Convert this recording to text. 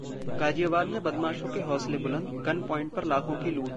गाजियाबाद में बदमाशों के हौसले बुलंद, गन प्वॉइंट पर लाखों की लूट